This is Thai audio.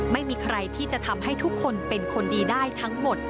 ไม่มีใครที่จะทำให้ทุกคนเป็นคนดีได้ทั้งหมด